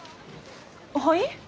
はい？